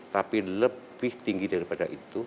tapi lebih tinggi daripada itu